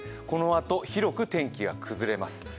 このあと広く天気が崩れます。